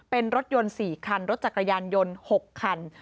เป็นรถยนต์๔คันรถจักรยานยนต์๖คัน